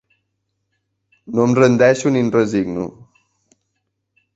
No em rendeixo ni em resigno.